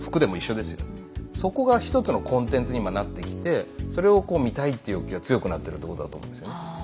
そこが一つのコンテンツに今なってきてそれを見たいって欲求が強くなってるってことだと思うんですよね。